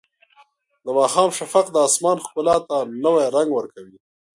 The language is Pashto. د ماښام شفق د اسمان ښکلا ته نوی رنګ ورکوي.